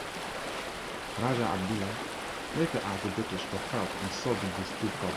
Raja Abdullah later asked the British for help in solving these two problems.